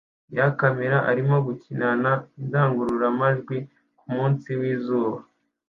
ya kamera arimo gukina na indangurura majwi kumunsi wizuba